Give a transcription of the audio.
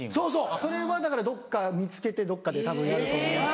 それはだからどっか見つけてどっかでたぶんやると思います。